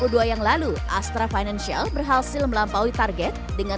pada giias dua ribu dua puluh dua yang lalu astra financial berhasil melampaui target dengan total nilai keuangan